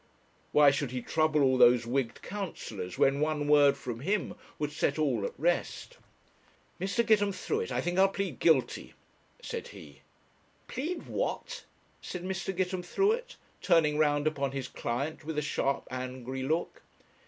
Why should he trouble all those wigged counsellors, when one word from him would set all at rest? 'Mr. Gitemthruet, I think I'll plead guilty,' said he. 'Plead what!' said Mr. Gitemthruet, turning round upon his client with a sharp, angry look.